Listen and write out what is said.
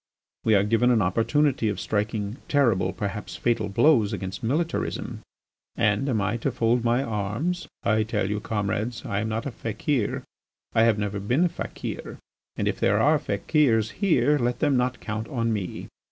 We are given an opportunity of striking terrible, perhaps fatal, blows against militarism. And am I to fold my arms? I tell you, comrades, I am not a fakir, I have never been a fakir, and if there are fakirs here let them not count on me.